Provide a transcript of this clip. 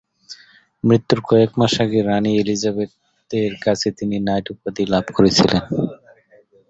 মৃত্যুর কয়েক মাস আগে রাণী এলিজাবেথের কাছে তিনি নাইট উপাধি লাভ করেছিলেন।